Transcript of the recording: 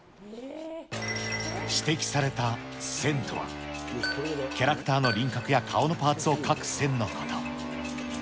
指摘された線とは、キャラクターの輪郭や顔のパーツを描く線のこと。